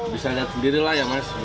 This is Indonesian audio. bisa lihat sendiri lah ya mas